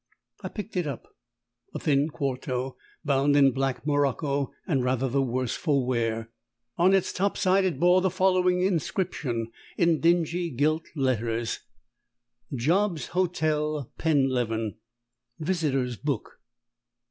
I picked it up a thin quarto bound in black morocco, and rather the worse for wear. On its top side it bore the following inscription in dingy gilt letters: JOB'S HOTEL, PENLEVEN, VISITORS' BOOK.